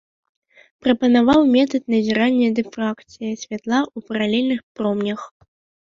Прапанаваў метад назірання дыфракцыі святла ў паралельных промнях.